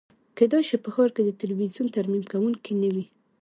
کیدای شي په ښار کې د تلویزیون ترمیم کونکی نه وي